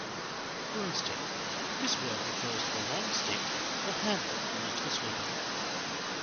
"Broomstick" - This word refers to a long stick or handle used for sweeping.